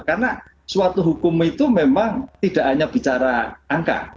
karena suatu hukum itu memang tidak hanya bicara angka